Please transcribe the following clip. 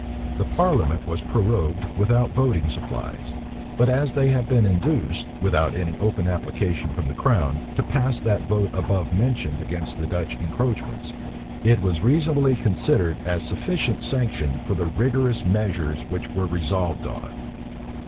The parliament was prorogued without voting supplies: but as they had been induced, without any open application from the crown, to pass that vote above mentioned against the Dutch encroachments, it was reasonably considered as sufficient sanction for the rigorous measures which were resolved on.